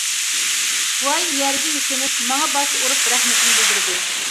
بوۋاي يەرگە يۈكۈنۈپ ماڭا باش ئۇرۇپ رەھمىتىنى بىلدۈردى.